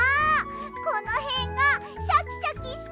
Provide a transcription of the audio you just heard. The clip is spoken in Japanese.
このへんがシャキシャキしてる！